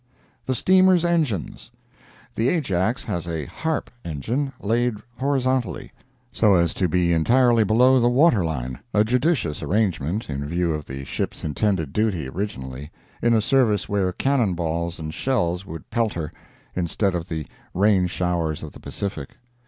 THE STEAMER'S ENGINES The Ajax has a "harp" engine, laid horizontally, so as to be entirely below the waterline, a judicious arrangement, in view of the ship's intended duty originally, in a service where cannon balls and shells would pelt her, instead of the rain showers of the Pacific.